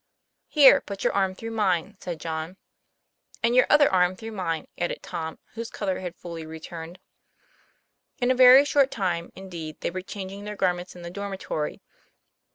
' Here, put your arm through mine," said John. "And your other arm through mine," added Tom, whose color had fully returned. In a very short time, indeed, they were changing their garments in the dormitory.